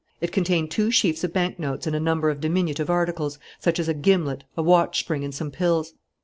It contained two sheafs of bank notes and a number of diminutive articles, such as a gimlet, a watch spring, and some pills.